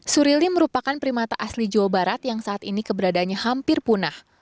surili merupakan primata asli jawa barat yang saat ini keberadaannya hampir punah